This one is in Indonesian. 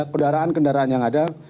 kendaraan kendaraan yang ada